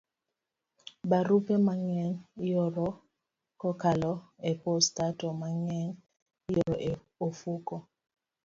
Barupe mang'eny ioro kokalo e posta, to mang'eny ioro e ofuko.